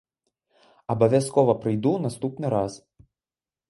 Абавязкова прыйду ў наступны раз.